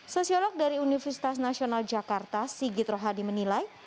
sosiolog dari universitas nasional jakarta sigit rohadi menilai